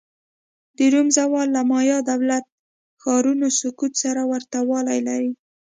د روم زوال له مایا دولت-ښارونو سقوط سره ورته والی لري